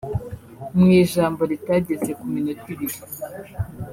Mu ijambo ritageze ku minota ibiri